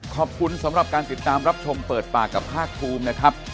ขอบคุณสำหรับการติดตามรับชมเปิดปากกับภาคภูมินะครับ